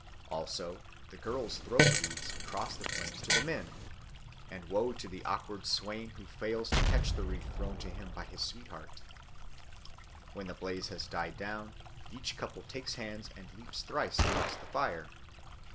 Also the girls throw the wreaths across the flames to the men, and woe to the awkward swain who fails to catch the wreath thrown him by his sweetheart. When the blaze has died down, each couple takes hands and leaps thrice across the fire.